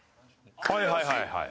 「はいはいはいはい。